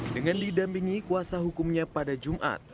dengan didampingi kuasa hukumnya pada jumat